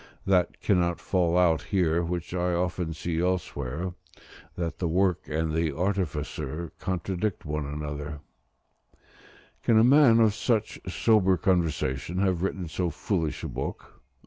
That cannot fall out here, which I often see elsewhere, that the work and the artificer contradict one another: "Can a man of such sober conversation have written so foolish a book?"